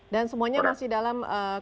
dan semuanya masih dalam kondisi